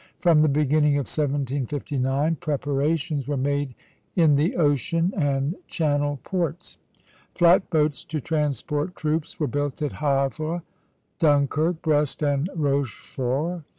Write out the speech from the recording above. From the beginning of 1759, preparations were made in the ocean and Channel ports. Flat boats to transport troops were built at Havre, Dunkirk, Brest, and Rochefort.